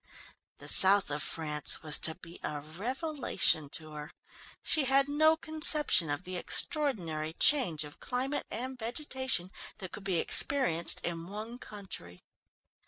The South of France was to be a revelation to her. She had no conception of the extraordinary change of climate and vegetation that could be experienced in one country.